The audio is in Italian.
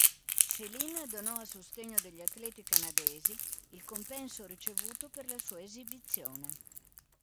Céline donò a sostegno degli atleti canadesi il compenso ricevuto per la sua esibizione.